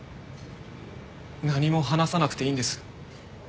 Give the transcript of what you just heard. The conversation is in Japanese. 何も話さなくていいんです。